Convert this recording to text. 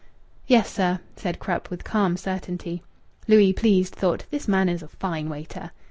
"Yes, sir," said Krupp with calm certainty. Louis, pleased, thought, "This man is a fine waiter."